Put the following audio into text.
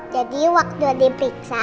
jadi waktu dia diperiksa